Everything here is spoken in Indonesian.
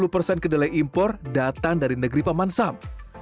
lima puluh persen kedelai impor datang dari negeri pemansam